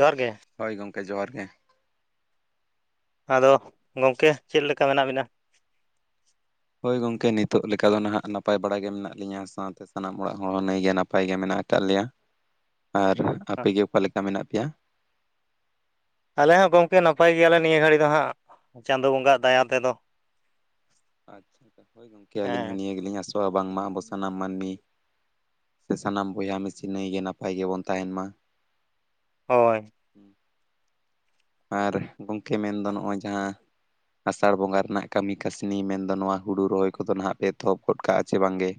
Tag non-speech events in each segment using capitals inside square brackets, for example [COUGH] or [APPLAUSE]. ᱡᱚᱦᱟᱨ ᱜᱮ ᱦᱳᱭ ᱜᱚᱢᱠᱮ ᱡᱚᱦᱟᱨ ᱜᱮ ᱟᱫᱚ ᱜᱚᱢᱠᱮ ᱪᱮᱫ ᱞᱮᱠᱟ ᱢᱮᱱᱟᱜ ᱵᱤᱱᱟ ᱦᱳᱭ ᱜᱚᱢᱠᱮ ᱱᱤᱛᱚᱜ ᱞᱮᱠᱟ ᱫᱚ ᱱᱟᱦᱟᱜ ᱱᱟᱯᱟᱭ ᱵᱟᱲᱟ ᱜᱮ ᱢᱮᱱᱟᱜ ᱞᱤᱧᱟᱹ ᱥᱟᱶᱛᱮ ᱥᱟᱱᱟᱢ ᱚᱲᱟᱜ ᱦᱚᱲ ᱦᱚᱸ ᱱᱟᱭᱜᱮ ᱱᱟᱯᱟᱭ ᱜᱮ ᱢᱮᱱᱟᱜ ᱟᱠᱟᱫ ᱞᱮᱭᱟ [INAUDIBLE] ᱟᱨ ᱟᱯᱮᱜᱮ ᱚᱠᱟ ᱞᱮᱠᱟ ᱢᱮᱱᱟᱜ ᱯᱮᱭᱟ ᱟᱞᱮ ᱦᱚᱸ ᱜᱚᱝᱠᱮ ᱱᱟᱯᱟᱭ ᱜᱮᱭᱟᱞᱮ ᱱᱤᱭᱟᱹ ᱜᱷᱟᱹᱲᱤ ᱫᱚ ᱦᱟᱸᱜ ᱪᱟᱸᱫᱚ ᱵᱚᱸᱜᱟᱜ ᱫᱟᱭᱟ ᱛᱮᱫᱚ ᱟᱪᱪᱷᱟ ᱦᱳᱭ ᱜᱚᱢᱠᱮ ᱟᱹᱞᱤᱧ ᱦᱚᱸ ᱦᱮᱸ ᱱᱤᱭᱟᱹ ᱜᱮᱞᱤᱧ ᱟᱥᱚᱜᱣᱟ ᱵᱟᱝᱢᱟ ᱟᱵᱚ ᱥᱟᱱᱟᱢ ᱢᱟᱹᱱᱢᱤ ᱥᱮ ᱥᱟᱱᱟᱢ ᱵᱚᱭᱦᱟ ᱢᱤᱥᱤ ᱱᱟᱹᱭ ᱜᱮ ᱱᱟᱯᱟᱭ ᱜᱮᱵᱚᱱ ᱛᱟᱦᱮᱱ ᱢᱟ ᱦᱳᱭ ᱟᱨ ᱜᱚᱢᱠᱮ ᱢᱮᱱᱫᱚ ᱱᱚᱜᱼᱚᱭ ᱡᱟᱦᱟᱸ ᱟᱥᱟᱲ ᱵᱚᱸᱜᱟ ᱨᱮᱱᱟᱜ ᱠᱟᱹᱢᱤ ᱠᱟᱹᱥᱱᱤ ᱢᱮᱱᱫᱚ ᱱᱚᱣᱟ ᱦᱩᱲᱩ ᱨᱚᱦᱚᱭ ᱠᱚᱫᱚ ᱱᱟᱦᱟᱜ ᱯᱮ ᱛᱚᱦᱚᱵ ᱜᱚᱫ ᱠᱟᱜᱼᱟ ᱪᱮ ᱵᱟᱝᱜᱮ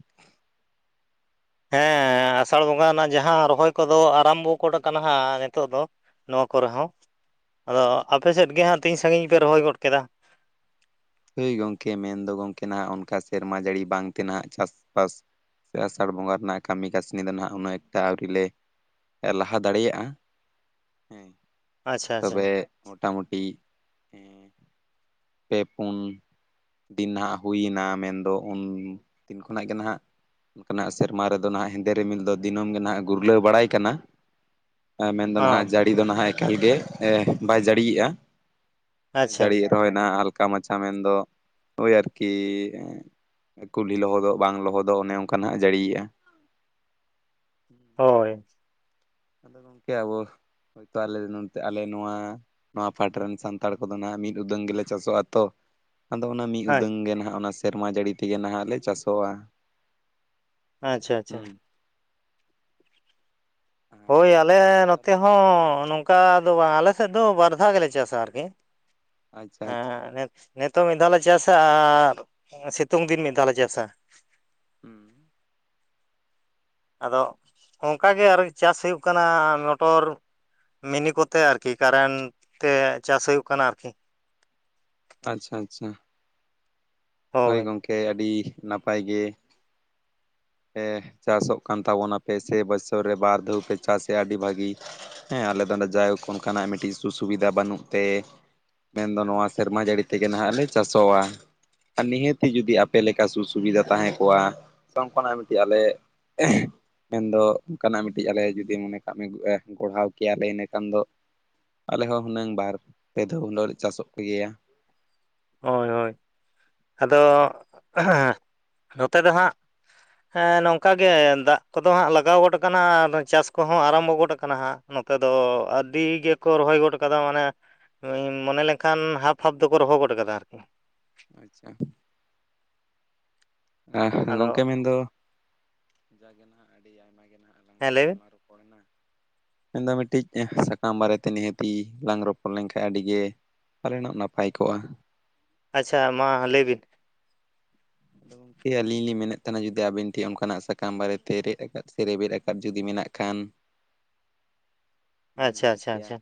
ᱦᱮᱸ ᱟᱥᱟᱲ ᱵᱚᱸᱜᱟ ᱨᱮᱱᱟᱜ ᱡᱟᱦᱟᱸ ᱨᱚᱦᱚᱭ ᱠᱚᱫᱚ ᱟᱨᱟᱢᱵᱚ ᱠᱚᱰ ᱠᱟᱱᱟ ᱦᱟᱸᱜ ᱱᱤᱛᱚᱜ ᱫᱚ ᱱᱚᱣᱟ ᱠᱚᱨᱮ ᱦᱚᱸ ᱟᱫᱚ ᱟᱪᱪᱷᱟ ᱟᱯᱮ ᱥᱮᱫ ᱜᱮ ᱦᱟᱸᱜ ᱛᱤᱧ ᱥᱟᱺᱜᱤᱧ ᱯᱮ ᱨᱚᱦᱚᱭ ᱜᱚᱫ ᱠᱮᱫᱟ ᱦᱳᱭ ᱜᱚᱢᱠᱮ ᱢᱮᱱᱫᱚ ᱜᱚᱢᱠᱮ ᱱᱟᱦᱟᱜ ᱚᱱᱠᱟ ᱥᱮᱨᱢᱟ ᱡᱟᱹᱲᱤ ᱵᱟᱝᱛᱮ ᱱᱟᱦᱟᱜ ᱪᱟᱥᱼᱵᱟᱥ ᱥᱮ ᱟᱥᱟᱲ ᱵᱚᱸᱜᱟ ᱨᱮᱱᱟᱜ ᱠᱟᱹᱢᱤ ᱠᱟᱹᱥᱱᱤ ᱫᱚ ᱱᱟᱦᱟᱜ ᱩᱱᱟᱹᱜ ᱮᱠᱴᱟ ᱟᱹᱣᱨᱤᱞ ᱞᱮ ᱞᱟᱦᱟ ᱫᱟᱲᱮᱭᱟᱜᱼᱟ ᱦᱮᱸ ᱟᱪᱪᱷᱟ ᱟᱪᱪᱷᱟ ᱛᱚᱵᱮ ᱢᱚᱴᱟᱢᱩᱴᱤ ᱯᱮ ᱯᱩᱱ ᱫᱤᱱ ᱱᱟᱦᱟᱜ ᱦᱩᱭᱱᱟ ᱢᱮᱱᱫᱚ ᱩᱱ ᱫᱤᱱ ᱠᱷᱚᱱᱟᱜ ᱜᱮ ᱱᱟᱦᱟᱜ ᱠᱷᱚᱱᱟᱜ ᱥᱮᱨᱢᱟ ᱨᱮᱫᱚ ᱱᱟᱦᱟᱜ ᱦᱮᱸᱫᱮ ᱨᱤᱢᱤᱞ ᱫᱚ ᱫᱤᱱᱟ. ᱢ ᱜᱮ ᱱᱟᱜ ᱜᱩᱨᱞᱟᱹᱣ ᱵᱟᱲᱟᱭ ᱠᱟᱱᱟ᱾ ᱢᱮᱱᱫᱚ ᱦᱚᱸ ᱱᱟᱦᱟᱜ ᱡᱟᱹᱲᱤ ᱫᱚ ᱱᱟᱦᱟᱜ ᱮᱠᱟᱞᱜᱮ ᱮ ᱵᱟᱭ ᱡᱟᱹᱲᱤᱭᱮᱫᱼᱟ ᱟᱪᱪᱷᱟ ᱡᱟᱹᱲᱤ ᱭᱮᱫ ᱨᱮᱦᱚᱭ ᱱᱟᱦᱟᱜ ᱦᱟᱞᱠᱟ ᱢᱟᱪᱷᱟ ᱢᱮᱱᱫᱚ ᱳᱭ ᱟᱨᱠᱤ ᱠᱩᱞᱦᱤ ᱞᱚᱦᱚᱫᱚᱜ ᱵᱟᱝ ᱞᱚᱦᱚᱫᱚᱜ ᱚᱱᱮ ᱚᱱᱠᱟ ᱱᱟᱸᱜ ᱡᱟᱹᱲᱤᱭᱮᱜᱼᱟ ᱦᱳᱭ ᱜᱚᱢᱠᱮ ᱟᱵᱚ ᱦᱚᱭᱛᱳ ᱟᱞᱮ ᱟᱞᱮ ᱱᱚᱣᱟ ᱱᱚᱣᱟ ᱯᱟᱦᱴᱟ ᱨᱮᱱ ᱥᱟᱱᱛᱟᱲ ᱠᱚᱫᱚ ᱱᱟᱜ ᱢᱤᱫ ᱩᱫᱟᱹᱝ ᱜᱮᱞᱮ ᱪᱟᱥᱚᱜᱼᱟ ᱛᱚ ᱟᱫᱚ ᱚᱱᱟ ᱢᱤᱫ ᱩᱫᱟᱹᱝ ᱜᱮ ᱱᱟᱦᱟᱜ ᱚᱱᱟ ᱥᱮᱨᱢᱟ ᱡᱟᱹᱲᱤ ᱛᱮᱜᱮ ᱱᱟᱦᱟᱜ ᱞᱮ ᱪᱟᱥᱚᱜᱼᱟ ᱟᱪᱪᱷᱟ ᱟᱪᱪᱷᱟ ᱦᱩᱸ ᱦᱮᱸ ᱦᱳᱭ ᱜᱚᱝᱠᱮ ᱟᱞᱮ ᱢᱮᱱᱫᱚ ᱱᱚᱛᱮ ᱛᱟᱦᱚᱞᱮ ᱦᱚᱸ ᱱᱚᱝᱠᱟ ᱫᱚ ᱵᱟᱝ ᱟᱞᱮ ᱥᱮᱫ ᱫᱚ ᱵᱟᱨ ᱫᱷᱟᱣ ᱜᱮᱞᱮ ᱪᱟᱥᱟ ᱟᱨᱠᱤ ᱟᱪᱪᱷᱟ ᱟᱪᱪᱷᱟ ᱦᱮᱸ ᱦᱮᱸ ᱱᱤᱛᱚᱜ ᱢᱤᱫ ᱫᱷᱟᱣᱞ ᱞᱮ ᱪᱟᱥᱟ ᱟᱨ ᱥᱤᱛᱩᱝ ᱫᱤᱱ ᱢᱤᱫ ᱫᱷᱟᱣ ᱞᱮ ᱪᱟᱥᱟ ᱦᱮᱸ ᱟᱫᱚ ᱚᱱᱠᱟᱜᱮ ᱟᱨᱚ ᱪᱟᱥ ᱦᱩᱭᱩᱜ ᱠᱟᱱᱟ ᱢᱚᱴᱚᱨ ᱢᱤᱱᱤ ᱠᱚᱛᱮ ᱟᱨᱠᱤ ᱠᱟᱨᱮᱱᱴ ᱛᱮ ᱪᱟᱥ ᱦᱩᱭᱩᱜ ᱠᱟᱱᱟ ᱟᱨᱠᱤ ᱟᱪᱪᱷᱟ ᱟᱪᱪᱷᱟ ᱦᱳᱭ ᱜᱚᱢᱠᱮ ᱟᱹᱰᱤ ᱱᱟᱯᱟᱭ ᱜᱮ ᱪᱟᱥᱚᱜ ᱠᱟᱱ ᱛᱟᱵᱚᱱᱟᱯᱮ ᱥᱮ ᱵᱚᱪᱷᱚᱨ ᱨᱮ ᱵᱟᱨᱫᱷᱟᱣ ᱯᱮ ᱪᱟᱥᱮᱫ ᱟ ᱟᱹᱰᱤ ᱵᱷᱟᱹᱜᱤ ᱦᱮᱸ ᱟᱞᱮ ᱫᱚ ᱱᱚᱰᱮ ᱡᱟᱭ ᱦᱳᱠ ᱚᱱᱠᱟᱱᱟᱜ ᱢᱤᱫᱴᱤᱡ ᱥᱩ ᱥᱩᱵᱤᱫᱷᱟ ᱵᱟᱹᱱᱩᱜ ᱛᱮ ᱢᱮᱱᱫᱚ ᱱᱚᱣᱟ ᱥᱮᱨᱢᱟ ᱡᱟᱹᱲᱤ ᱛᱮᱜᱮ ᱱᱟᱦᱟᱜ ᱞᱮ ᱪᱟᱥᱚᱜ ᱟ ᱟᱨ ᱱᱤᱦᱟᱹᱛ ᱡᱩᱫᱤ ᱟᱯᱮ ᱞᱮᱠᱟ ᱥᱩ ᱥᱩᱵᱤᱫᱷᱟ ᱛᱟᱦᱮᱸ ᱠᱚᱜᱼᱟ ᱚᱱᱠᱟᱱᱟᱜ ᱢᱤᱫᱴᱤᱡ ᱟᱞᱮ ᱢᱮᱱᱫᱚ ᱚᱱᱠᱟᱱᱟᱜ ᱢᱤᱫᱴᱤᱡ ᱟᱞᱮ ᱡᱩᱫᱤ ᱢᱚᱱᱮ ᱠᱟᱜ ᱢᱮ ᱜᱚᱲᱦᱟᱣ ᱠᱮᱭᱟᱞᱮ ᱤᱱᱟᱹᱠᱷᱟᱱ ᱫᱚ ᱟᱞᱮ ᱦᱚᱸ ᱦᱩᱱᱟᱹᱝ ᱵᱟᱨ ᱯᱮ ᱫᱷᱟᱣ ᱦᱩᱱᱟᱹᱜ ᱞᱮ ᱪᱟᱥᱚᱜ ᱠᱮ ᱜᱮᱭᱟ ᱦᱳᱭ ᱦᱳᱭ ᱟᱫᱚ ᱱᱚᱛᱮ ᱫᱚ ᱦᱟᱸᱜ ᱮᱸ ᱱᱚᱝᱠᱟ ᱜᱮ ᱫᱟᱜ ᱠᱚᱫᱚ ᱦᱟᱸᱜ ᱞᱟᱜᱟᱣ ᱜᱚᱫ ᱟᱠᱟᱱᱟ ᱟᱨ ᱪᱟᱥ ᱠᱚᱦᱚᱸ ᱟᱨᱚᱢᱵᱚ ᱜᱚᱫ ᱠᱟᱱᱟ ᱦᱟᱸᱜ ᱱᱚᱛᱮ ᱫᱚ ᱟᱹᱰᱤ ᱜᱮᱠᱚ ᱨᱚᱦᱚᱭ ᱜᱚᱫ ᱠᱟᱫᱟ ᱢᱟᱱᱮ ᱢᱚᱱᱮ ᱞᱮᱱᱠᱷᱟᱱ ᱦᱟᱯ ᱦᱟᱯ ᱫᱚᱠᱚ ᱨᱚᱦᱚ ᱜᱚᱫ ᱠᱟᱫᱟ᱾ [INAUDIBLE] ᱟ ᱟᱫᱚ ᱜᱚᱝᱠᱮ ᱢᱮᱱᱫᱚ ᱦᱮᱸ ᱞᱟᱹᱭ ᱵᱤᱱ [INAUDIBLE] ᱯᱚᱲᱱᱟ ᱢᱮᱱᱫᱚ ᱢᱤᱫᱴᱤᱡ ᱥᱟᱠᱟᱢ ᱵᱟᱨᱮᱛᱮ ᱱᱤᱦᱟᱹᱛᱤ ᱞᱟᱝ ᱨᱚᱯᱚᱲ ᱞᱮᱱᱠᱷᱟᱡ ᱟᱹᱰᱤᱜᱮ ᱯᱟᱞᱮᱱᱚᱜ ᱱᱟᱯᱟᱭ ᱠᱚᱜᱼᱟ ᱟᱪᱪᱷᱟ ᱢᱟ ᱞᱟᱹᱭᱵᱤᱱ ᱟᱫᱚ ᱜᱚᱝᱠᱮ ᱟᱹᱞᱤᱧ ᱞᱤᱧ ᱢᱮᱱᱮᱫ ᱛᱟᱦᱮᱱᱟ ᱡᱩᱫᱤ ᱟᱵᱤᱱ ᱴᱷᱮᱱ ᱚᱱᱠᱟᱱᱟᱜ ᱥᱟᱠᱟᱢ ᱵᱟᱨᱮᱛᱮ ᱨᱮᱫ ᱟᱠᱟᱫ ᱥᱮ ᱨᱮᱵᱮᱫ ᱟᱠᱟᱫ ᱡᱩᱫᱤ ᱢᱮᱱᱟᱜ ᱠᱷᱟᱱ ᱵᱮᱱ ᱟᱪᱪᱷᱟ ᱞᱟᱹᱭ ᱟᱪᱪᱷᱟ ᱠᱮᱭᱟ ᱟᱪᱪᱷᱟ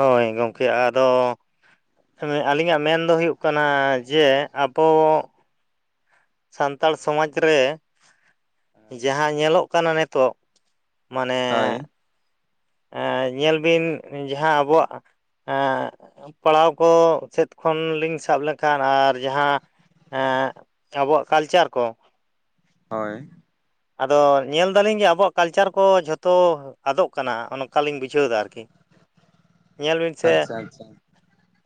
ᱦᱳᱭ ᱜᱚᱝᱠᱮ ᱟᱫᱚ ᱟᱹᱞᱤᱧᱟᱜ ᱢᱮᱱ ᱫᱚ ᱦᱩᱭᱩᱜ ᱠᱟᱱᱟ ᱡᱮ ᱟᱵᱚ ᱥᱟᱱᱛᱟᱲ ᱥᱚᱢᱟᱡᱽ ᱨᱮ ᱡᱟᱦᱟᱸ ᱧᱮᱞᱚᱜ ᱠᱟᱱᱟ ᱱᱤᱛᱚᱜ ᱢᱟᱱᱮ ᱦᱳᱭ ᱮ ᱧᱮᱞ ᱵᱤᱱ ᱡᱟᱦᱟᱸ ᱟᱵᱚᱣᱟᱜ ᱮ ᱯᱟᱲᱦᱟᱣ ᱠᱚ ᱥᱮᱫ ᱠᱷᱚᱱ ᱞᱤᱧ ᱥᱟᱵ ᱞᱮᱠᱷᱟᱱ ᱟᱨ ᱡᱟᱦᱟᱸ ᱮᱫ ᱟᱵᱚᱣᱟᱜ ᱠᱟᱞᱪᱟᱨ ᱠᱚ ᱦᱳᱭ ᱟᱫᱚ ᱧᱮᱞᱫᱟᱞᱤᱧ ᱡᱮ ᱟᱵᱚᱣᱟᱜ ᱠᱟᱞᱪᱟᱨ ᱠᱚ ᱡᱷᱚᱛᱚ ᱟᱫᱚᱜ ᱠᱟᱱᱟ ᱾ ᱱᱚᱝᱠᱟᱞᱤᱧ ᱵᱩᱡᱷᱟᱹᱣ ᱮᱫᱟ ᱟᱨᱠᱤ, ᱧᱮᱞ ᱵᱤᱱ ᱥᱮ ᱟᱪᱪᱷᱟ ᱟᱪᱪᱷᱟ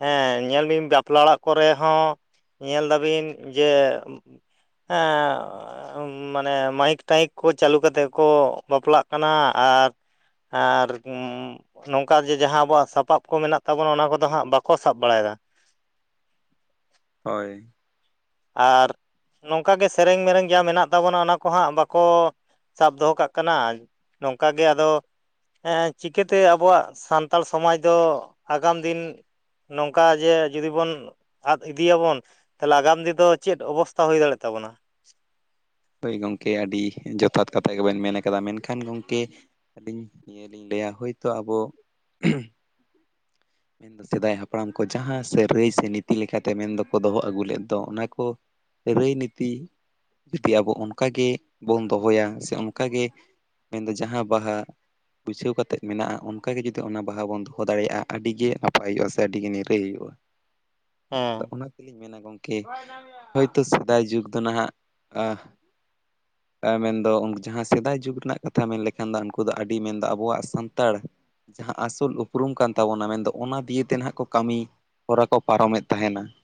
ᱦᱮᱸ ᱧᱮᱞ ᱵᱤᱱ ᱵᱟᱯᱞᱟ ᱚᱲᱟᱜ ᱠᱚᱨᱮ ᱦᱚᱸ, ᱧᱮᱞ ᱫᱟᱵᱤᱱ ᱡᱮ ᱦᱮᱸ, ᱢᱟᱱᱮ ᱢᱟᱭᱤᱠ ᱴᱟᱭᱤᱠ ᱠᱚ ᱪᱟᱹᱞᱩ ᱠᱟᱛᱮ ᱠᱚ ᱵᱟᱯᱞᱟᱜ ᱠᱟᱱᱟ ᱟᱨ ᱟᱨ ᱱᱚᱝᱠᱟ ᱡᱮ ᱡᱟᱦᱟᱸ ᱟᱵᱚᱣᱟᱜ ᱥᱟᱯᱟᱵ ᱠᱚ ᱢᱮᱱᱟᱜ ᱛᱟᱵᱚᱱᱟ ᱚᱱᱟ ᱠᱚᱫᱚ ᱦᱟᱸᱜ ᱵᱟᱠᱚ ᱥᱟᱵ ᱵᱟᱲᱟᱭᱫᱟ ᱾ ᱦᱳᱭ ᱾ ᱟᱨ ᱱᱚᱝᱠᱟ ᱜᱮ ᱥᱮᱨᱮᱧ ᱢᱮᱨᱮᱧ ᱡᱟ ᱢᱮᱱᱟᱜ ᱛᱟᱵᱚᱱᱟ ᱚᱱᱟ ᱠᱚᱦᱟᱸᱜ ᱵᱟᱠᱚ ᱥᱟᱵ ᱫᱚᱦᱚ ᱠᱟᱜ ᱠᱟᱱᱟ, ᱱᱚᱝᱠᱟ ᱜᱮ ᱟᱫᱚ ᱪᱤᱠᱟᱹᱛᱮ ᱟᱵᱚᱣᱟᱜ ᱥᱟᱱᱛᱟᱲ ᱥᱚᱢᱟᱡᱽ ᱫᱚ ᱟᱜᱟᱢ ᱫᱤᱱ ᱱᱚᱝᱠᱟ ᱡᱮ ᱡᱩᱫᱤ ᱵᱚᱱ ᱟᱫ ᱤᱫᱤᱭᱟᱵᱚᱱ ᱛᱟᱦᱚᱞᱮ ᱟᱜᱟᱢ ᱫᱤᱱ ᱫᱚ ᱪᱮᱫ ᱚᱵᱚᱥᱛᱟ ᱦᱩᱭ ᱫᱟᱲᱮᱭᱟᱜ ᱛᱟᱵᱚᱱᱟ? ᱦᱳᱭ ᱜᱚᱢᱠᱮ ᱟᱹᱰᱤ ᱡᱚᱛᱷᱟᱛ ᱠᱟᱛᱷᱟ ᱜᱮᱵᱮᱱ ᱢᱮᱱ ᱠᱟᱫᱟ ᱾ᱢᱮᱱᱠᱷᱟᱱ ᱜᱚᱢᱠᱮ ᱟᱹᱰᱤᱱ ᱱᱤᱭᱟᱹᱤᱧ ᱞᱟᱹᱭᱟ ᱦᱳᱭᱛᱚ ᱟᱵᱚ ᱢᱮᱱ ᱫᱚ ᱥᱮᱫᱟᱭ ᱦᱟᱯᱲᱟᱢ ᱠᱚ ᱡᱟᱦᱟᱸ ᱥᱮ ᱨᱟᱹᱭ ᱥᱮ ᱱᱤᱛᱤ ᱞᱮᱠᱟᱛᱮ ᱢᱮᱱ ᱫᱚᱠᱚ ᱫᱚᱦᱚ ᱟᱹᱜᱩ ᱞᱮᱜ ᱫᱚ ᱚᱱᱟ ᱠᱚ, ᱨᱟᱹᱭ ᱱᱤᱛᱤ ᱡᱩᱫᱤ ᱟᱵᱚ ᱚᱱᱠᱟᱜᱮ ᱵᱚᱱ ᱫᱚᱦᱚᱭᱟ ᱥᱮ ᱚᱱᱠᱟᱜᱮ ᱢᱮᱱᱫᱚ ᱡᱟᱦᱟᱸ ᱵᱟᱦᱟ ᱵᱟᱹᱭᱥᱟᱹᱣ ᱠᱟᱛᱮᱫ ᱢᱮᱱᱟᱜᱼᱟ ᱚᱱᱠᱟ ᱜᱮ ᱡᱩᱫᱤ ᱚᱱᱟ ᱵᱟᱦᱟ ᱵᱚᱱ ᱫᱚᱦᱚ ᱫᱟᱲᱮᱭᱟᱜᱼᱟ ᱾ ᱟᱹᱰᱤᱜᱮ ᱱᱟᱯᱟᱭ ᱦᱩᱭᱩᱜᱼᱟ, ᱥᱮ ᱟᱹᱰᱤᱜᱮ ᱱᱤᱨᱟᱹᱭ ᱦᱩᱭᱩᱜᱼᱟ᱾ ᱦᱮᱸ ᱟᱫᱚ ᱚᱱᱟ ᱟᱫᱚ ᱞᱤᱧ ᱢᱮᱱᱟ, ᱜᱚᱢᱠᱮ ᱦᱳᱭᱛᱳ ᱥᱮᱫᱟᱭ ᱡᱩᱜᱽ ᱫᱚ ᱱᱟᱦᱟᱜ [INAUDIBLE] ᱢᱮᱱᱫᱚ ᱡᱟᱦᱟᱸ ᱥᱮᱫᱟᱭ ᱡᱩᱜᱽ ᱨᱮᱱᱟᱜ ᱠᱟᱛᱷᱟ ᱢᱮᱱ ᱞᱮᱠᱷᱟᱱ ᱫᱚ ᱩᱱᱠᱩ ᱫᱚ ᱟᱹᱰᱤ ᱢᱮᱱᱫᱚ ᱟᱵᱚᱣᱟᱜ ᱥᱟᱱᱛᱟᱲ ᱡᱟᱦᱟᱸ ᱟᱥᱚᱞ ᱩᱯᱨᱩᱢ ᱠᱟᱱ ᱛᱟᱵᱚᱱᱟ, ᱢᱮᱱᱫᱚ ᱚᱱᱟ ᱫᱤᱭᱮᱛᱮ ᱱᱟᱦᱟᱜ ᱠᱚ ᱠᱟᱹᱢᱤ ᱦᱚᱨᱟ ᱠᱚ ᱯᱟᱨᱚᱢᱮᱫ ᱛᱟᱦᱮᱱᱟ ᱾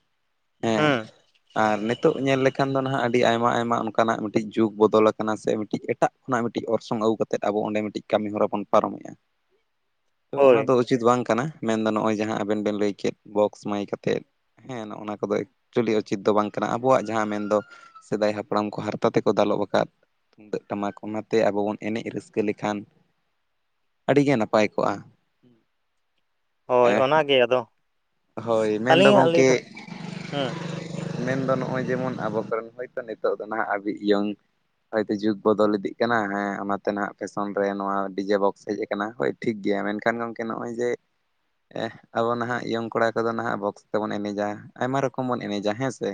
ᱦᱮᱸ ᱟᱨ ᱱᱤᱛᱚᱜ ᱧᱮᱞ ᱞᱮᱠᱷᱟᱱ ᱫᱚ ᱱᱟᱦᱟᱜ ᱟᱹᱰᱤ ᱟᱭᱢᱟ ᱟᱭᱢᱟ ᱚᱱᱠᱟᱱᱟᱜ ᱢᱤᱫᱴᱤᱡ ᱡᱩᱜᱽ ᱵᱚᱫᱚᱞ ᱟᱠᱟᱱᱟ ᱥᱮ ᱢᱤᱫᱴᱤᱡ ᱮᱴᱟᱜ ᱠᱷᱚᱱᱟᱜ ᱢᱤᱫᱴᱤᱡ ᱚᱨᱥᱚᱝ ᱟᱹᱜᱩ ᱠᱟᱛᱮᱜ, ᱠᱟᱛᱮᱫ ᱟᱵᱚ ᱚᱸᱰᱮ ᱢᱤᱫᱴᱤᱡ ᱠᱟᱹᱢᱤ ᱦᱚᱨᱟ ᱵᱚᱱ ᱯᱟᱨᱚᱢᱮᱜᱼᱟ ᱾ [INAUDIBLE] ᱛᱚ ᱚᱱᱟᱫᱚ ᱩᱪᱤᱛ ᱵᱟᱝ ᱠᱟᱱᱟ, ᱢᱮᱱᱫᱚ ᱱᱚᱜᱼᱚᱭ ᱡᱟᱦᱟᱸ ᱟᱵᱮᱱ ᱵᱮᱱ ᱞᱟᱹᱭ ᱠᱮᱫ ᱵᱚᱠᱥ ᱢᱟᱭᱤᱠ ᱟᱛᱮᱫ ᱦᱮᱸ ᱱᱚᱜᱼᱚᱱᱟ ᱠᱚᱫᱚ ᱮᱠᱪᱩᱭᱮᱞᱤ ᱩᱪᱤᱛ ᱫᱚ ᱵᱟᱝ ᱠᱟᱱᱟ᱾ ᱟᱵᱚᱣᱟᱜ ᱡᱟᱦᱟᱸ ᱢᱮᱱᱫᱚ ᱥᱮᱫᱟᱭ ᱦᱟᱯᱲᱟᱢ ᱠᱚ ᱦᱟᱨᱛᱟ ᱛᱮᱠᱚ ᱫᱟᱞᱚᱵ ᱟᱠᱟᱫ ᱛᱩᱢᱫᱟᱹᱜ ᱴᱟᱢᱟᱠ ᱚᱱᱟᱛᱮ ᱟᱵᱚ ᱵᱚᱱ ᱮᱱᱮᱡ ᱨᱟᱹᱥᱠᱟᱹ ᱞᱮᱠᱷᱟᱱ ᱟᱹᱰᱤᱜᱮ ᱱᱟᱯᱟᱭ ᱠᱚᱜᱼᱟ ᱾ ᱦᱳᱭ ᱚᱱᱟᱜᱮ ᱟᱫᱚ, ᱦᱳᱭ ᱢᱮᱱᱫᱚ ᱟᱹᱞᱤᱧᱟᱜ ᱞᱟᱹᱭ ᱜᱚᱢᱠᱮ ᱫᱚ ᱦᱩᱸ ᱢᱮᱱᱫᱚ ᱱᱚᱜᱼᱚᱭ ᱡᱮᱢᱚᱱ ᱟᱵᱚ ᱠᱚᱨᱮᱱ ᱦᱚᱳᱭᱛᱳ ᱱᱤᱛᱚᱜ ᱫᱚ ᱱᱟᱦᱟᱜ ᱟᱵᱤ ᱤᱭᱚᱝ, ᱦᱳᱭᱛᱳ ᱡᱩᱜᱽ ᱵᱚᱫᱚᱞ ᱤᱫᱤᱜ ᱠᱟᱱᱟ, ᱦᱮᱸ ᱚᱱᱟᱛᱮ ᱱᱟᱦᱟᱜ ᱯᱷᱮᱥᱚᱱ ᱨᱮ ᱱᱚᱣᱟ ᱰᱤᱡᱮ ᱵᱚᱠᱥ ᱦᱮᱡ ᱟᱠᱟᱱᱟ ᱦᱳᱭ ᱾ ᱴᱷᱤᱠ ᱜᱮᱭᱟ᱾ ᱢᱮᱱᱠᱷᱟᱱ ᱜᱚᱝᱠᱮ ᱱᱚᱜᱼᱚᱭ ᱡᱮ ᱟᱵᱚ ᱱᱟᱦᱟᱜ ᱤᱭᱚᱝ, ᱠᱚᱲᱟ ᱠᱚᱫᱚ ᱱᱟᱦᱟᱜ ᱵᱚᱠᱥ ᱛᱮᱵᱚᱱ ᱮᱱᱮᱡᱟ, ᱟᱭᱢᱟ ᱨᱚᱠᱚᱢ ᱵᱚᱱ ᱮᱱᱮᱡᱟ, ᱦᱮᱸ ᱥᱮ?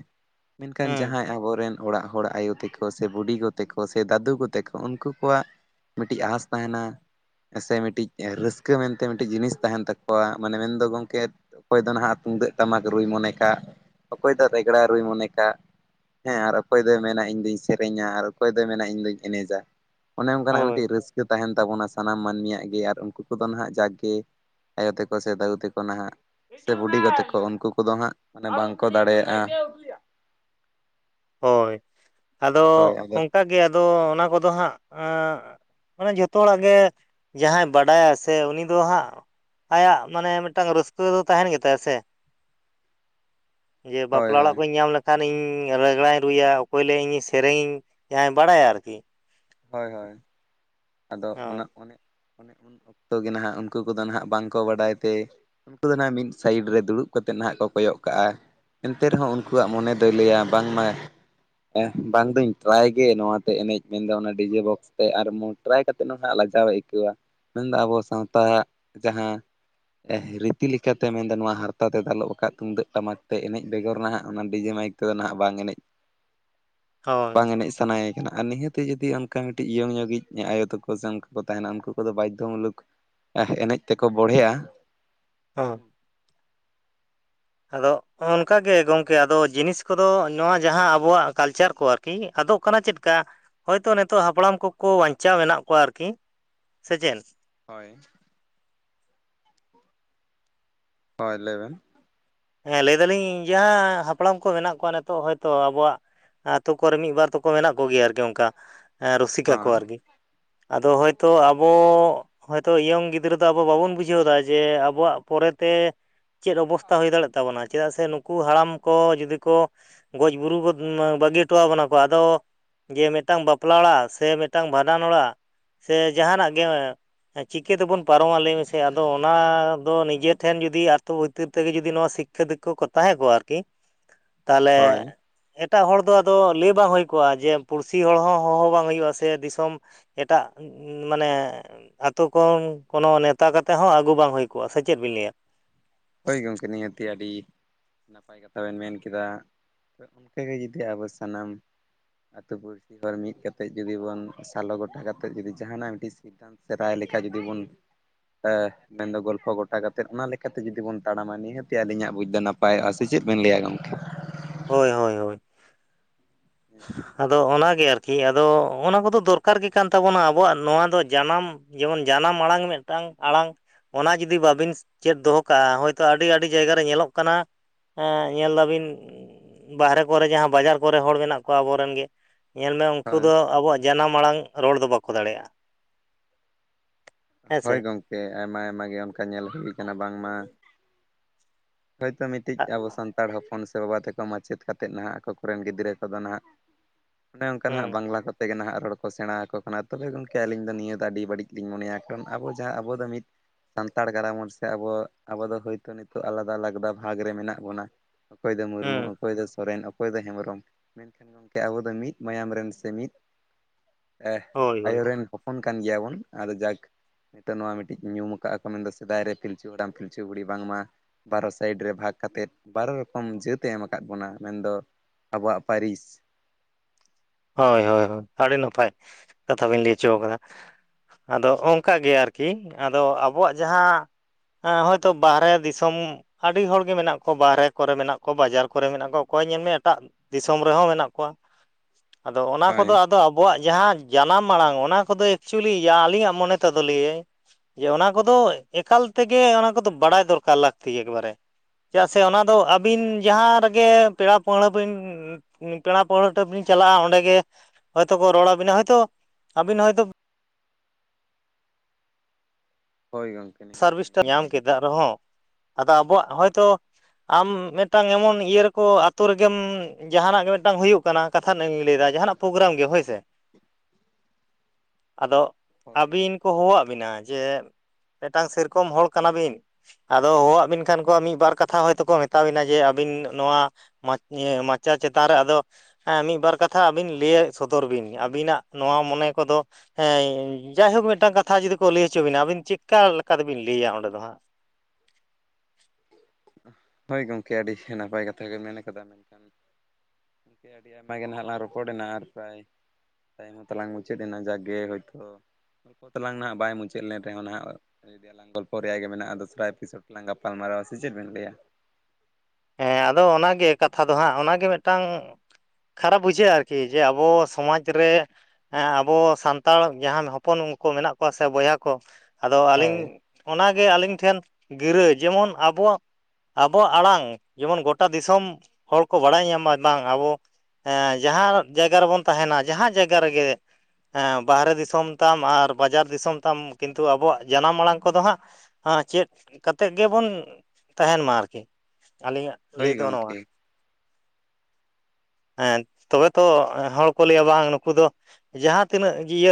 ᱢᱮᱱᱠᱷᱟᱱ ᱦᱩᱸ ᱡᱟᱦᱟᱸᱭ ᱟᱵᱚᱨᱮᱱ ᱚᱲᱟᱜ ᱦᱚᱲ ᱟᱭᱳ ᱛᱟᱠᱚ, ᱥᱮ ᱵᱩᱰᱤ ᱜᱚ ᱛᱟ ᱠᱚ, ᱥᱮ ᱫᱟᱫᱩ-ᱜᱚ ᱛᱟ ᱠᱚ, ᱩᱱᱠᱩ ᱠᱚᱣᱟᱜ ᱢᱤᱫᱴᱤᱡ ᱟᱥ ᱛᱟᱦᱮᱱᱟ, ᱥᱮ ᱢᱤᱫᱴᱤᱡ ᱨᱟᱹᱥᱠᱟᱹ ᱢᱮᱱᱛᱮ ᱢᱤᱫᱴᱤᱡ ᱡᱤᱱᱤᱥ ᱛᱟᱦᱮᱱ ᱛᱟᱠᱚᱣᱟ ᱢᱟᱱᱮ ᱢᱮᱱᱫᱚ ᱜᱚᱢᱠᱮ, ᱚᱠᱚᱭ ᱫᱚ ᱱᱟᱦᱟᱜ ᱛᱩᱢᱫᱟᱹᱜ ᱴᱟᱢᱟᱠ ᱨᱩᱭ ᱢᱚᱱᱮ ᱠᱟᱜ, ᱚᱠᱚᱭ ᱫᱚ ᱨᱮᱜᱽᱲᱟ ᱨᱩᱭ ᱢᱚᱱᱮ ᱠᱟᱜ, ᱦᱮᱸ ᱟᱨ ᱚᱠᱚᱭ ᱫᱚᱭ ᱢᱮᱱᱟ ᱤᱧ ᱫᱚᱧ ᱥᱮᱨᱮᱧᱟ ᱟᱨ ᱚᱠᱚᱭ ᱫᱚᱭ ᱢᱮᱱᱟ ᱤᱧ ᱫᱚᱧ ᱮᱱᱮᱡᱟ ᱾ ᱚᱱᱮ ᱚᱱᱠᱟᱱᱟᱜ ᱦᱳᱭ ᱢᱤᱫᱴᱤᱡ ᱨᱟᱹᱥᱠᱟᱹ ᱛᱟᱦᱮᱱ ᱛᱟᱵᱚᱱᱟ ᱥᱮ ᱾ ᱥᱟᱱᱟᱢ ᱢᱟᱹᱱᱢᱤᱭᱟᱜ ᱜᱮ ᱟᱨ ᱩᱱᱠᱩ ᱠᱚᱫᱚ ᱱᱟᱦᱟᱜ ᱡᱟᱸᱠᱜᱮ ᱟᱭᱳ ᱛᱟᱠᱚ ᱥᱮ ᱫᱟᱹᱫᱩ ᱛᱮᱠᱚ ᱱᱟᱦᱟᱜ, ᱥᱮ ᱵᱩᱰᱤᱷᱤ ᱜᱚ ᱛᱮᱠᱚ ᱩᱱᱠᱩ ᱠᱚᱫᱚ ᱦᱟᱸᱜ ᱢᱟᱱᱮ ᱵᱟᱝᱠᱚ ᱫᱟᱲᱮᱭᱟᱜᱼᱟ ᱦᱳᱭ ᱟᱫᱚ ᱦᱳᱭ ᱟᱫᱚ ᱚᱱᱠᱟᱜᱮ ᱟᱫᱚ ᱚᱱᱟ ᱠᱚᱫᱚ ᱦᱟᱸᱜ ᱢᱟᱱᱮ ᱡᱷᱚᱛᱚ ᱦᱚᱲᱟᱜ ᱜᱮ ᱡᱟᱦᱟᱸᱭ ᱵᱟᱰᱟᱭᱟ ᱥᱮ ᱩᱱᱤ ᱫᱚ ᱦᱟᱸᱜ ᱟᱭᱟᱜ ᱢᱟᱱᱮ ᱢᱤᱫᱴᱟᱝ ᱨᱟᱹᱥᱠᱟᱹ ᱫᱚ ᱛᱟᱦᱮᱱ ᱜᱮᱛᱟᱭᱟ ᱥᱮ ᱡᱮ ᱦᱳᱭ ᱵᱟᱯᱞᱟ ᱚᱲᱟᱜ ᱦᱳᱭ ᱠᱩᱧ ᱧᱟᱢ ᱞᱮᱠᱷᱟᱱ ᱤᱧ ᱨᱮᱜᱽᱲᱟᱧ ᱨᱩᱭᱟ ᱚᱠᱚᱭ ᱞᱮᱭᱟ ᱤᱧᱤᱧ ᱥᱮᱨᱮᱧ ᱤᱧ ᱡᱟᱦᱟᱸᱭ ᱵᱟᱲᱟᱭᱟ ᱟᱨᱠᱤ ᱦᱳᱭ ᱦᱳᱭ ᱟᱫᱚ ᱦᱳᱭ ᱚᱱᱟ ᱚᱱᱮ ᱚᱱᱮ ᱩᱱ ᱚᱠᱛᱚ ᱜᱮ ᱱᱟᱦᱟᱜ ᱩᱱᱠᱩ ᱠᱚᱫᱚ ᱱᱟᱦᱟᱜ ᱵᱟᱝᱠᱚ ᱵᱟᱰᱟᱭ ᱛᱮ ᱩᱱᱠᱩ ᱫᱚ ᱦᱟᱸᱜ ᱢᱤᱫ ᱥᱟᱭᱤᱰ ᱨᱮ ᱫᱩᱲᱩᱵ ᱠᱟᱛᱮᱫ ᱱᱟᱦᱟᱜ ᱠᱚ ᱠᱚᱭᱚᱜ ᱠᱟᱜᱼᱟ ᱮᱱᱛᱮ ᱨᱮᱦᱚᱸ ᱩᱱᱠᱩᱣᱟᱜ ᱢᱚᱱᱮ ᱫᱚᱭ ᱞᱟᱹᱭᱟ ᱵᱟᱝᱢᱟ ᱮᱸᱷ ᱵᱟᱝ ᱫᱩᱧ ᱴᱨᱟᱭ ᱜᱮ ᱱᱚᱣᱟᱛᱮ ᱮᱱᱮᱡ ᱢᱮᱱᱫᱚ ᱚᱱᱟ ᱰᱤᱡᱮ ᱵᱚᱠᱥ ᱛᱮ ᱟᱨ ᱢᱚ ᱴᱨᱟᱭ ᱠᱟᱛᱮᱜ ᱱᱚᱱᱷᱟᱜ ᱞᱟᱡᱟᱣ ᱮ ᱟᱹᱭᱠᱟᱹᱣᱟ ᱢᱮᱱᱫᱟ ᱟᱵᱚ ᱥᱟᱶᱛᱟᱜ ᱡᱟᱦᱟᱸ ᱮᱷ ᱨᱤᱛᱤ ᱞᱮᱠᱟᱛᱮ ᱢᱮᱱᱫᱚ ᱱᱚᱣᱟ ᱦᱟᱨᱛᱟ ᱛᱮ ᱫᱟᱞᱚᱵ ᱟᱠᱟᱫ ᱛᱩᱢᱫᱟᱹᱜ ᱴᱟᱢᱟᱠ ᱛᱮ ᱮᱱᱮᱡ ᱵᱮᱜᱚᱨ ᱱᱟᱦᱟᱜ ᱚᱱᱟ ᱰᱤᱡᱮ ᱢᱟᱭᱤᱠ ᱛᱚ ᱫᱚ ᱱᱟᱜ ᱵᱟᱝ ᱮᱱᱮᱡ [INAUDIBLE] ᱵᱟᱝ ᱮᱱᱮᱡ ᱥᱟᱱᱟᱭᱮ ᱠᱟᱱᱟ ᱟᱨ ᱱᱤᱡᱮᱛᱮ ᱡᱩᱫᱤ ᱟᱢ ᱚᱝᱠᱟ ᱢᱮᱴᱤᱡ ᱤᱭᱚᱝ ᱧᱚ ᱜᱤᱡ ᱟᱭᱳᱚ ᱛᱚᱠᱚ ᱥᱮ ᱚᱝᱠᱟ ᱠᱚ ᱛᱟᱦᱮᱱᱟ ᱩᱱᱠᱩ ᱠᱚᱫᱚ ᱵᱟᱭᱫᱷᱚ ᱢᱩᱞᱩᱠ ᱟᱷ ᱮᱱᱮᱡ ᱛᱮᱠᱚ ᱵᱚᱲᱦᱮ ᱭᱟ ᱟ ᱦᱚᱸ ᱟᱫᱚᱜ ᱚᱱᱠᱟ ᱜᱮ ᱜᱚᱝᱠᱮ ᱟᱫᱚ ᱡᱤᱱᱤᱥ ᱠᱚᱫᱚ ᱱᱚᱣᱟ ᱡᱟᱦᱟᱸ ᱟᱵᱚᱣᱟᱜ ᱠᱟᱞᱪᱟᱨ ᱠᱚ ᱟᱨᱠ ᱠᱤ ᱟᱫᱚᱜ ᱠᱟᱱᱟ ᱪᱮᱫᱠᱟ ᱦᱳᱭᱛᱳ ᱱᱮᱛᱚᱜ ᱦᱟᱯᱲᱟᱢ ᱠᱚᱠᱚ ᱵᱟᱧᱪᱟᱣ ᱢᱮᱱᱟᱜ ᱠᱚᱣᱟ ᱟᱨᱠᱤ ᱥᱮ ᱪᱮᱫ ᱦᱳᱭ ᱦᱳᱭ ᱞᱟᱹᱭᱵᱮᱱ ᱦᱮᱸ ᱞᱟᱹᱭ ᱫᱟᱞᱤᱧ ᱡᱟᱦᱟᱸ ᱦᱟᱯᱲᱟᱢ ᱠᱚ ᱢᱮᱱᱟᱜ ᱠᱚᱣᱟ ᱱᱮᱛᱚᱜ ᱦᱚᱭᱛᱳ ᱟᱵᱚᱣᱟᱜ ᱟᱛᱳ ᱠᱚᱨᱮ ᱢᱤᱫ ᱵᱟᱨ ᱛᱚᱠ ᱠᱚ ᱜᱮᱭᱟ ᱟᱨᱠᱤ ᱚᱝᱠᱟ ᱮᱸ ᱨᱩᱥᱤᱠᱟ ᱠᱚ ᱦᱚᱸ ᱟᱨᱠᱤ ᱾ ᱟᱫᱚ ᱦᱚᱭᱛᱚ ᱟᱵ ᱚᱻᱜ ᱦᱚᱭᱛᱳ ᱭᱚᱝ ᱜᱤᱫᱽᱨᱟᱹ ᱫᱚ ᱟᱵᱚ ᱵᱟᱵᱚᱱ ᱵᱩᱡᱷᱟᱹᱣᱫᱟ ᱡᱮ ᱟᱵᱚᱣᱟᱜ ᱯᱚᱨᱮᱛᱮ ᱪᱮᱫ ᱚᱵᱚᱥᱛᱟ ᱦᱩᱭ ᱫᱟᱲᱮᱜ ᱛᱟᱵᱚᱱᱟ ᱪᱮᱫᱟᱜ ᱥᱮ ᱱᱩᱠᱩ ᱦᱟᱲᱟᱢ ᱠᱚ ᱡᱩᱫᱤ ᱠᱚ ᱜᱚᱡ ᱵᱩᱨᱩ ᱜᱚᱫ ᱵᱟᱹᱜᱤ ᱦᱚᱴᱚᱣᱟ ᱵᱚᱱᱟ ᱠᱚ ᱟᱫᱚ ᱡᱮ ᱢᱮᱜᱴᱟᱝ ᱵᱟᱯᱞᱟ ᱚᱲᱟᱜ ᱥᱮ ᱢᱤᱫᱴᱟᱱ ᱵᱷᱟᱸᱰᱟᱱ ᱚᱲᱟᱜ ᱥᱮ ᱡᱟᱦᱟᱱᱟᱜ ᱜᱮ ᱮ ᱪᱤᱠᱟᱹ ᱛᱮᱵᱚᱱ ᱯᱟᱨᱚᱢᱟ ᱞᱟᱹᱭ ᱢᱮᱥᱮ ᱟᱫᱚ ᱚᱱᱟᱻ ᱫᱚ ᱱᱤᱡᱮ ᱴᱷᱮᱱ ᱡᱩᱫᱤ ᱟᱛᱳ ᱵᱷᱤᱛᱤᱨ ᱛᱮᱜᱮ ᱡᱩᱫᱤ ᱱᱚᱣᱟ ᱥᱤᱠ ᱫᱤᱠᱩ ᱠᱚ ᱛᱟᱦᱮᱸ ᱠᱚᱜᱼᱟ ᱟᱨᱠᱤ ᱛᱟᱦᱞᱮ ᱦᱳᱭ ᱮᱴᱟᱜ ᱦᱚᱲ ᱫᱚ ᱟᱫᱚ ᱞᱟᱹᱭ ᱵᱟᱝ ᱦᱩᱭ ᱠᱚᱜᱼᱟ ᱡᱮ ᱯᱩᱲᱥᱤ ᱦᱚᱲ ᱦᱚᱸ ᱦᱚᱦᱚ ᱵᱟᱝ ᱦᱩᱭᱩᱜᱼᱟ ᱥᱮ ᱫᱤᱥᱚᱢ ᱮᱴᱟᱜ ᱩᱸ ᱢᱟᱱᱮᱜ ᱟᱛᱳ ᱠᱚᱱ ᱠᱳᱱᱳ ᱱᱮᱣᱛᱟ ᱠᱟᱛᱮ ᱦᱚᱸ ᱟᱜᱩ ᱵᱟᱝ ᱦᱩᱭ ᱠᱚᱜᱼᱟ ᱥᱮ ᱪᱮᱫ ᱵᱤᱱ ᱞᱟᱹᱭᱟ ᱦᱚᱭ ᱜᱚᱝᱠᱮ ᱱᱤᱦᱟᱹᱛᱤ ᱟᱰᱤ ᱱᱟᱯᱟᱭ ᱠᱟᱛᱷᱟ ᱵᱮᱱ ᱢᱮᱱ ᱠᱮᱫᱟ ᱠᱚ [UNINTELLIGIBLE] [UNINTELLIGIBLE] ᱡᱩᱫᱤ ᱟᱵᱚ ᱥᱟᱱᱟᱢ ᱟᱛᱩ ᱯᱩᱲᱥᱤ ᱦᱚᱲ ᱢᱤᱫᱛᱮᱫ ᱡᱩᱫᱤ ᱵᱚᱱ ᱥᱟᱞᱚ ᱜᱚᱴᱟ ᱠᱟᱛᱮᱫ ᱡᱩᱫᱤ ᱡᱟᱦᱟᱱᱟᱜ ᱮᱢ ᱰᱤᱥᱤ ᱥᱮᱫᱟᱭ ᱞᱮᱠᱟ ᱡᱩᱫᱤ ᱵᱚᱱ ᱮᱷ ᱢᱮᱱᱫᱚ ᱜᱚᱞᱯᱷᱚ ᱜᱚᱴᱟ ᱠᱟᱛᱮᱫ ᱚᱱᱟ ᱞᱮᱠᱟᱛ ᱡᱩᱫᱤ ᱵᱚᱱ ᱛᱟᱲᱟᱢᱟ ᱱᱤᱦᱟᱹᱛᱤ ᱟᱹᱞᱤᱧᱟᱜ ᱵᱩᱡᱽ ᱫᱚ ᱱᱟᱯᱟᱭᱚᱜᱼᱟ ᱥᱮ ᱪᱮᱫ ᱵᱤᱱ ᱞᱟᱹᱭᱟ ᱜᱚᱝᱠᱮ ᱦᱳᱭ ᱦᱳᱭ ᱦᱳᱭ ᱟᱫᱚ ᱚᱱᱟᱜᱮ ᱟᱨᱠᱤ ᱟᱫᱚ ᱚᱱᱟ ᱠᱚᱫᱚ ᱫᱚᱨᱠᱟᱨ ᱜᱮ ᱠᱟᱱ ᱛᱟᱵᱚᱱᱟ ᱟᱵᱚᱣᱟᱜ ᱱᱚᱣᱟ ᱫᱚ ᱡᱟᱱᱟᱢ ᱡᱮᱢᱚᱱ ᱡᱟᱱᱟᱢ ᱟᱲᱟᱝ ᱢᱮᱜᱴᱟᱝ ᱟᱲᱟᱝ ᱚᱱᱟ ᱡᱩᱫᱤ ᱵᱟᱵᱤᱱ ᱪᱮᱫ ᱫᱚᱦᱚ ᱠᱟᱜᱼᱟ ᱦᱳᱭᱛᱳ ᱟᱰᱤ ᱟᱰᱤ ᱡᱟᱭᱜᱟᱨ ᱨᱮ ᱧᱮᱞᱚᱜ ᱠᱟᱱᱟ ᱮᱸ ᱧᱮᱞ ᱫᱟᱵᱤᱱ ᱵᱟᱦᱨᱮ ᱠᱚᱨᱮ ᱡᱟᱦᱟᱸ ᱵᱟᱡᱟᱨ ᱠᱚᱨᱮ ᱦᱚᱲ ᱢᱮᱱᱟᱜ ᱠᱚᱣᱟ ᱟᱵᱚ ᱨᱮᱱ ᱜᱮ, ᱧᱮᱞ ᱢᱮ ᱩᱱᱠᱩ ᱦᱳᱭ ᱫᱚ ᱟᱵᱚᱣᱟᱜ ᱡᱟᱱᱟᱢ ᱟᱲᱟᱝ ᱨᱚᱲ ᱫᱚ ᱵᱟᱠᱚ ᱫᱟᱲᱮᱭᱟᱜᱼᱟ᱾ ᱦᱮᱸᱥᱮ ᱦᱳᱭ ᱜᱚᱝᱠᱮ ᱟᱭᱢᱟ ᱟᱭᱢᱟ ᱜᱮ ᱚᱱᱠᱟ ᱧᱮᱞ ᱦᱩᱭ ᱠᱟᱱᱟ ᱵᱟᱝ ᱢᱟ ᱦᱳᱭᱛᱳ ᱢᱤᱫᱴᱤᱡ ᱟᱵᱚ ᱥᱟᱱᱛᱟᱲ ᱦᱚᱯᱚᱱ ᱥᱮ ᱵᱟᱵᱟ ᱛᱮᱠᱚ ᱢᱟᱪᱮᱫ ᱠᱟᱛᱮᱫ ᱱᱟᱦᱟᱜ ᱟᱠᱚ ᱠᱚᱨᱮᱱ ᱜᱤᱫᱽᱨᱟᱹ ᱠᱚᱫᱚ ᱱᱟᱦᱟᱜ ᱚᱱᱮ ᱚᱱᱠᱟ ᱱᱟᱦᱟᱜ ᱦᱩᱸ ᱵᱟᱝᱞᱟ ᱠᱚ ᱛᱮᱜᱮ ᱱᱟᱦᱟᱜ ᱨᱚᱲ ᱠᱚ ᱥᱮᱬᱟᱣ ᱟᱠᱚ ᱠᱟᱱᱟ, ᱛᱚᱵᱮ ᱜᱚᱝᱠᱮ ᱟᱹᱞᱤᱧ ᱫᱚ ᱱᱤᱭᱟᱹ ᱫᱚ ᱟᱹᱰᱤ ᱵᱟᱹᱲᱤᱡ ᱞᱤᱧ ᱢᱚᱱᱮᱭᱟ ᱠᱟᱨᱚᱱ ᱟᱵᱚ ᱡᱟᱦᱟᱸ ᱟᱵᱚ ᱫᱚ ᱢᱤᱫ ᱥᱟᱱᱛᱟᱲ ᱠᱟᱱᱟ ᱵᱚᱱ ᱥᱮ ᱟᱵᱚ ᱟᱵᱚ ᱫᱚ ᱦᱳᱭᱛᱳ ᱱᱤᱛᱳᱜ ᱟᱞᱟ ᱟᱞᱟᱜᱽᱼᱫᱟ ᱵᱷᱟᱜᱽ ᱨᱮ ᱢᱮᱱᱟᱜ ᱵᱚᱱᱟ, ᱚᱠᱚᱭ ᱫᱚ ᱢᱩᱨᱢᱩ, ᱦᱩᱸ ᱚᱠᱚᱭ ᱫᱚ ᱥᱚᱨᱮᱱ ᱚ ᱚᱠᱚᱭ ᱫᱚ ᱦᱮᱢᱵᱨᱚᱢ ᱢᱮᱱᱠᱷᱟᱱ ᱜᱚᱝᱠᱮ ᱟᱵᱚ ᱫᱚ ᱢᱤᱫ ᱢᱟᱭᱟᱢ ᱨᱮᱱ ᱥᱮ ᱢᱤᱫ ᱮᱦ ᱦᱳᱭ ᱦᱳᱭ ᱟᱭᱳ ᱨᱮᱱ ᱦᱚᱯᱚᱱ ᱠᱟᱱ ᱜᱮᱭᱟᱵᱚᱱ ᱟᱫᱚ ᱡᱟᱠ ᱱᱤᱛᱳᱜ ᱱᱚᱶᱟ ᱢᱤᱫᱴᱤᱡ ᱧᱩᱢ ᱟᱠᱟᱜᱼᱟ ᱠᱚ, ᱢᱮᱱᱫᱚ ᱥᱮᱫᱟᱭ ᱨᱮ ᱯᱤᱞᱪᱩ ᱦᱟᱲᱟᱢ ᱯᱤᱞᱪᱩ ᱵᱩᱲᱦᱤ ᱵᱟᱝ ᱢᱟ ᱵᱟᱨᱚ ᱥᱟᱭᱤᱰ ᱨᱮ ᱵᱷᱟᱜᱽ ᱠᱟᱛᱮᱫ ᱵᱟᱨᱚ ᱨᱚᱠᱚᱢ ᱡᱟᱹᱛ ᱮ ᱮᱢ ᱟᱠᱟᱫ ᱵᱚᱱᱟ ᱢᱮᱱᱫᱚ ᱟᱵᱚᱣᱟᱜ ᱯᱟᱨᱤᱥ ᱦᱚᱭ ᱦᱚᱭ ᱦᱳᱭ, ᱟᱰᱤ ᱱᱟᱯᱟᱭ ᱠᱟᱛᱷᱟ ᱵᱤᱱ ᱞᱟᱹᱭ ᱦᱚᱪᱚ ᱟᱠᱟᱫᱟ᱾ ᱟᱫᱚ ᱚᱝᱠᱟ ᱜᱮ ᱟᱨᱠᱤ, ᱟᱫᱚ ᱟᱵᱚᱣᱟᱜ ᱡᱟᱦᱟᱸ ᱮᱸ ᱦᱳᱭᱛᱳ ᱵᱟᱦᱨᱮ ᱫᱤᱥᱚᱢ ᱟᱹᱰᱤ ᱦᱚᱲ ᱜᱮ ᱢᱮᱱᱟᱜ ᱠᱚᱣᱟ, ᱵᱟᱦᱨᱮ ᱠᱚᱨᱮ ᱢᱮᱱᱟᱜ ᱠᱚᱣᱟ ᱵᱟᱡᱟᱨ ᱠᱚᱨᱮ ᱢᱮᱱᱟᱜ ᱠᱚᱣᱟ ᱚᱠᱚᱭ ᱧᱮᱞ ᱢᱮ ᱮᱴᱟᱜ ᱫᱤᱥᱚᱢ ᱨᱮᱦᱚᱸ ᱢᱮᱱᱟᱜ ᱠᱚᱣᱟ᱾ ᱟᱫᱚ ᱚᱱᱟ ᱦᱳᱭ ᱠᱚᱫᱚ ᱟᱫᱚ ᱟᱵᱚᱣᱟᱜ ᱡᱟᱦᱟᱸ ᱡᱟᱱᱟᱢ ᱟᱲᱟᱝ ᱚᱱᱟ ᱠᱚᱫᱚ ᱮᱠᱪᱩᱣᱮᱞᱤ ᱟᱹᱞᱤᱧᱟᱜ ᱢᱚᱱᱮ ᱛᱮᱫᱚ ᱞᱟᱹᱭᱟᱭ ᱡᱮ ᱚᱱᱟ ᱠᱚᱫᱚ ᱮᱠᱟᱞ ᱛᱮᱜᱮ ᱚᱱᱟ ᱠᱚᱫᱚ ᱵᱟᱲᱟᱭ ᱫᱚᱨᱠᱟᱨ ᱞᱟᱹᱠᱛᱤ ᱮᱠᱮᱵᱟᱨᱮ᱾ ᱪᱮᱫᱟᱜ ᱥᱮ ᱚᱱᱟ ᱫᱚ ᱟᱹᱵᱤᱱ ᱡᱟᱦᱟᱸ ᱨᱮᱜᱮ ᱯᱮᱲᱟ ᱯᱟᱺᱦᱲᱟᱹ ᱵᱤᱱ ᱯᱮᱲᱟ ᱯᱟᱺᱦᱲᱟᱹ ᱴᱷᱮᱱ ᱵᱤᱱ ᱪᱟᱞᱟᱜᱼᱟ, ᱚᱸᱰᱮ ᱜᱮ ᱦᱳᱭᱛᱳ ᱠᱚ ᱨᱚᱲ ᱟᱹᱵᱤᱱᱟ ᱦᱳᱭᱛᱳ ᱟᱹᱵᱤᱱ ᱦᱳᱭᱛᱳ ᱦᱳᱭ ᱜᱚᱝ ᱥᱟᱨᱵᱷᱤᱥ ᱴᱟᱜ ᱧᱟᱢ ᱠᱮᱛᱮᱜ ᱨᱮᱦᱚᱸ, ᱟᱫᱚ ᱟᱵᱚᱣᱟᱜ ᱦᱚᱭᱛᱚ ᱟᱢ ᱢᱮᱫᱴᱟᱝ ᱮᱢᱚᱱ ᱤᱭᱟᱹ ᱨᱮᱠᱚ ᱟᱛᱳ ᱨᱮᱜᱮᱢ ᱡᱟᱦᱟᱱᱟᱜ ᱜᱮ ᱢᱮᱫᱴᱟᱝ ᱦᱩᱭᱩᱜ ᱠᱟᱱᱟ᱾ ᱠᱟᱛᱷᱟ ᱨᱮᱱᱟᱜ ᱞᱤᱧ ᱞᱟᱹᱭ ᱫᱟ ᱡᱟᱦᱟᱱᱟᱜ ᱯᱨᱳᱜᱽᱨᱟᱢ ᱜᱮ ᱦᱳᱭ ᱥᱮ᱾ ᱟᱫᱚ ᱦᱳᱭ ᱟᱹᱵᱤᱱ ᱠᱚ ᱦᱚᱦᱚᱣᱟᱜ ᱵᱤᱱᱟ ᱡᱮ ᱢᱮᱫᱴᱟᱝ ᱥᱮᱨᱚᱠᱚᱢ ᱦᱚᱲ ᱠᱟᱱᱟᱵᱤᱱ᱾ ᱟᱫᱚ ᱦᱚᱦᱚᱣᱟᱜ ᱵᱤᱱ ᱠᱷᱟᱱ ᱠᱚ ᱢᱤᱫ ᱵᱟᱨ ᱠᱟᱛᱷᱟ ᱦᱚᱭᱛᱳ ᱠᱚ ᱢᱮᱛᱟ ᱵᱤᱱᱟ ᱡᱮ ᱟᱹᱵᱤᱱ ᱱᱚᱶᱟ ᱢᱟᱪ ᱤᱭᱟᱹ ᱢᱟᱪᱟ ᱪᱮᱛᱟᱱ ᱨᱮ ᱟᱫᱚ ᱮᱸ ᱢᱤᱫ ᱵᱟᱨ ᱠᱟᱛᱷᱟ ᱟᱹᱵᱤᱱ ᱞᱟᱹᱭᱟᱜ ᱥᱚᱫᱚᱨ ᱵᱤᱱ, ᱟᱹᱵᱤᱱᱟᱜ ᱱᱚᱶᱟ ᱢᱚᱱᱮ ᱠᱚᱫᱚ ᱦᱮᱸ ᱡᱟᱭᱦᱳᱠ ᱢᱤᱫᱴᱟᱝ ᱠᱟᱛᱷᱟ ᱡᱩᱫᱤ ᱠᱚ ᱞᱟᱹᱭ ᱦᱚᱪᱚ ᱵᱤᱱᱟ, ᱟᱹᱵᱤᱱ ᱪᱮᱫ ᱠᱟ ᱞᱮᱠᱟ ᱛᱮᱵᱤᱱ ᱞᱟᱹᱭᱟ ᱚᱸᱰᱮ ᱫᱚ ᱦᱟᱸᱜ? ᱦᱳᱭ ᱜᱚᱝᱠᱮ ᱟᱹᱰᱤ ᱱᱟᱯᱟᱭ ᱠᱟᱛᱷᱟ ᱜᱮ ᱢᱮᱱ ᱠᱟᱫᱟ ᱾ ᱟᱹᱰᱤ ᱟᱭᱢᱟ ᱜᱮ ᱱᱟᱦᱟᱜ ᱞᱟᱝ ᱨᱚᱯᱚᱲᱮᱱᱟ ᱟᱨ ᱯᱨᱟᱭ ᱴᱟᱭᱤᱢ ᱦᱚᱸ ᱛᱟᱞᱟᱝ ᱢᱩᱪᱟᱹᱫ ᱮᱱᱟ ᱡᱟᱠ ᱜᱮ ᱦᱳᱭᱛᱚ ᱜᱚᱞᱯᱚ ᱛᱟᱞᱟᱝ ᱱᱟᱦᱟᱜ ᱵᱟᱭ ᱢᱩᱪᱟᱹᱫ ᱞᱮᱱ ᱨᱮᱦᱚᱸ ᱱᱟᱦᱟᱜ ᱟᱞᱟᱝ ᱜᱚᱞᱯᱚ ᱨᱮᱭᱟᱜ ᱜᱮ ᱢᱮᱱᱟᱜᱼᱟ ᱫᱚᱥᱨᱟ ᱮᱯᱤᱥᱳᱰ ᱨᱮᱞᱟᱝ ᱜᱟᱯᱟᱞ ᱢᱟᱨᱟᱣᱟ ᱥᱮ ᱪᱮᱫ ᱵᱮᱱ ᱞᱟᱹᱭᱟ? ᱦᱮᱸ ᱟᱫᱚ ᱚᱱᱟᱜᱮ ᱠᱟᱛᱷᱟ ᱫᱚ ᱦᱟᱸᱜ ᱚᱱᱟᱜᱮ ᱢᱮᱫᱴᱟᱝ ᱠᱷᱟᱨᱟᱯ ᱵᱩᱡᱷᱟᱹᱜᱼᱟ ᱟᱨᱠᱤ, ᱡᱮ ᱟᱵᱚ ᱥᱚᱢᱟᱡᱽ ᱨᱮ ᱦᱮᱸ ᱟᱵᱚ ᱥᱟᱱᱛᱟᱲ ᱡᱟᱦᱟᱸᱱ ᱦᱚᱯᱚᱱ ᱩᱱᱠᱩ ᱢᱮᱱᱟᱜ ᱠᱚᱣᱟ ᱥᱮ ᱵᱚᱭᱦᱟ ᱠᱚ, ᱟᱫᱚ ᱟᱹᱞᱤᱧ ᱦᱳᱭ ᱚᱱᱟ ᱜᱮ ᱟᱹᱞᱤᱧ ᱴᱷᱮᱱ ᱜᱤᱨᱟᱹ ᱡᱮᱢᱚᱱ ᱟᱵᱚᱣᱟᱜ, ᱟᱵᱚᱣᱟᱜ ᱟᱲᱟᱝ ᱡᱮᱢᱚᱱ ᱜᱚᱴᱟ ᱫᱤᱥᱚᱢ ᱦᱚᱲ ᱠᱚ ᱵᱟᱲᱟᱭ ᱧᱟᱢ ᱢᱟᱟ ᱵᱟᱝ ᱟᱵᱚ ᱮᱸ ᱡᱟᱦᱟᱸ ᱡᱟᱭᱜᱟ ᱨᱮᱵᱚᱱ ᱛᱟᱦᱮᱱᱟ, ᱡᱟᱦᱟᱸ ᱡᱟᱭᱜᱟ ᱨᱮᱜᱮ᱾ ᱦᱮᱸ ᱵᱟᱦᱨᱮ ᱫᱤᱥᱚᱢ ᱛᱟᱢ, ᱟᱨ ᱵᱟᱡᱟᱨ ᱫᱤᱥᱚᱢ ᱛᱟᱢ ᱠᱤᱱᱛᱩ ᱟᱵᱚᱣᱟᱜ ᱡᱟᱱᱟᱢ ᱟᱲᱟᱝ ᱠᱚᱫᱚ ᱦᱟᱸᱜ ᱟᱸ ᱪᱮᱫ ᱠᱟᱛᱮᱫ ᱜᱮᱵᱚᱱ ᱛᱟᱦᱮᱱ ᱢᱟ ᱟᱨᱠᱤ᱾ ᱟᱹᱞᱤᱧᱟᱜ ᱦᱳᱭ ᱞᱟᱹᱭ ᱫᱚ ᱱᱚᱣᱟ᱾ ᱜᱚᱢᱠᱮ ᱮᱸᱫ ᱛᱚᱵᱮ ᱛᱚ ᱮᱸ ᱦᱚᱲ ᱠᱚ ᱞᱟᱹᱭᱟ ᱵᱟᱝ ᱱᱩᱠᱩ ᱫᱚ ᱡᱟᱦᱟᱸ ᱛᱤᱱᱟᱹᱜ ᱜᱤ ᱤᱭᱟᱹ